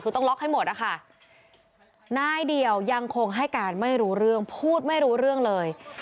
คือต้องล็อกให้หมดนะคะนายเดี่ยวยังคงให้การไม่รู้เรื่องพูดไม่รู้เรื่องเลย